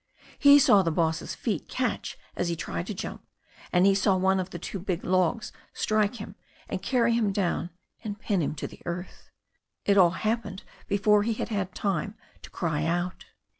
He saw the boss's feet catch as he turned to jump, and he saw one of the two big logs strike him and carry him down, and pin him to the earth. It all happened before he had time to cry out.